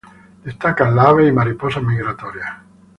Destacan las aves y mariposas migratorias.